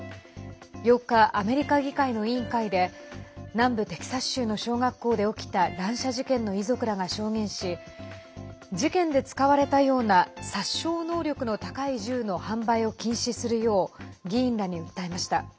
８日、アメリカ議会の委員会で南部テキサス州の小学校で起きた乱射事件の遺族らが証言し事件で使われたような殺傷能力の高い銃の販売を禁止するよう議員らに訴えました。